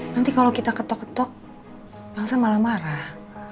nanti kalo kita ketok ketok elsa malah marah